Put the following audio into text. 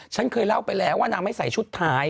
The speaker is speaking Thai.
ฉันเคยเล่าไปแล้วว่านางไม่ใส่ชุดไทย